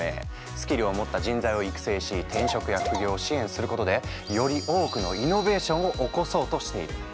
スキルを持った人材を育成し転職や副業を支援することでより多くのイノベーションを起こそうとしている。